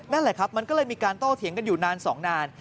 นั่นแหละครับมันก็เลยมีการโต้เถียงกันอยู่นานสองนาน